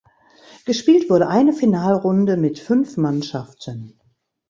Gespielt wurde eine Finalrunde mit fünf Mannschaften.